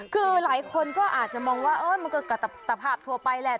คือหลายคนก็อาจจะมองว่าเอ้ยมันก็กระตะผับไปแหละ